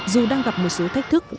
dù đang gặp một số thách thức